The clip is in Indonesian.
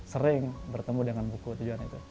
sering bertemu dengan buku tujuan itu